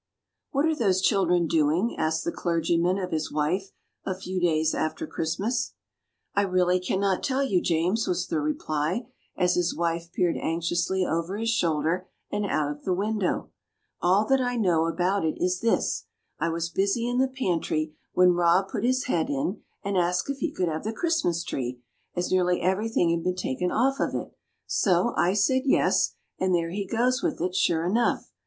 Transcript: "What are those children doing?" asked the clergyman of his wife a few days after Christmas. [Illustration: WHAT BECAME OF THE CHRISTMAS TREE. DRAWN BY C. S. REINHART.] "I really can not tell you, James," was the reply, as his wife peered anxiously over his shoulder, and out of the window. "All that I know about it is this: I was busy in the pantry, when Rob put his head in, and asked if he could have the Christmas tree, as nearly everything had been taken off of it; so I said 'Yes,' and there he goes with it, sure enough.